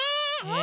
え！